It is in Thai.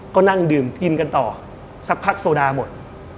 ก็นั่งดื่มกินกันต่อสักพักโซดาหมด